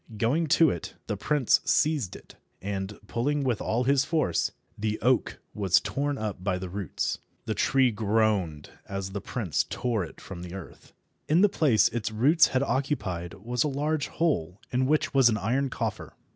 Going to it, the prince seized it, and, pulling with all his force, the oak was torn up by the roots. The tree groaned as the prince tore it from the earth. In the place its roots had occupied was a large hole in which was an iron coffer.